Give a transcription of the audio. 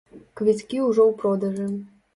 Квіткі ўжо ў продажы.